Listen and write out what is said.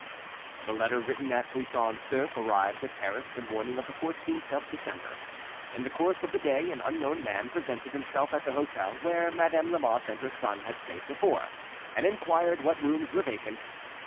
The letter written at Buisson Souef arrived at Paris the morning of the 14th of December. In the course of the day an unknown man presented himself at the hotel where Madame de Lamotte and her son had stayed before, and inquired what rooms were vacant.